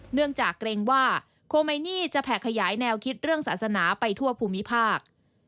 เนื่องจากเกรงว่าโคไมนี่จะแผ่ขยายแนวคิดเรื่องศาสนาไปทั่วภูมิภาค